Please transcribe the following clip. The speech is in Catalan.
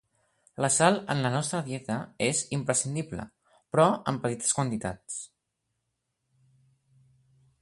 La sal en la nostra dieta és imprescindible, però en petites quantitats.